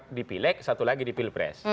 satu lagi di pileg satu lagi di pilpres